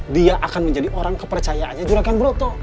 dia akan menjadi orang kepercayaannya juragan broto